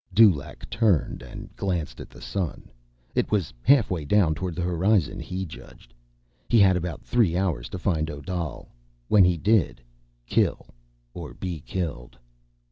Dulaq turned and glanced at the sun. It was halfway down toward the horizon, he judged. He had about three hours to find Odal. When he did—kill or be killed.